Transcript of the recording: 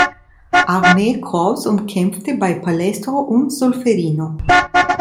Armeekorps und kämpfte bei Palestro und Solferino.